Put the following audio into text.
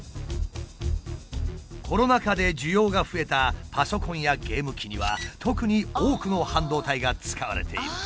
コロナ禍で需要が増えたパソコンやゲーム機には特に多くの半導体が使われている。